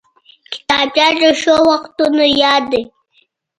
کتابچه د ښو وختونو یاد دی